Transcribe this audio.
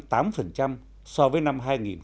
điều tăng tám so với năm hai nghìn một mươi tám